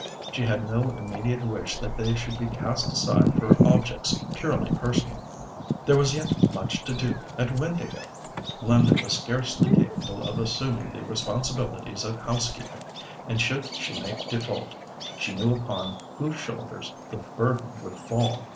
She had no immediate wish that they should be cast aside for objects purely personal. There was yet much to do at Windāhgil. Linda was scarcely capable of assuming the responsibilities of housekeeping, and should she make default, she knew upon whose shoulders the burden would fall.